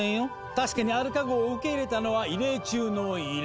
確かにアルカ号を受け入れたのは異例中の異例。